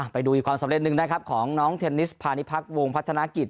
ไปดูอีกความสำเร็จหนึ่งนะครับของน้องเทนนิสพาณิพักษ์วงพัฒนากิจ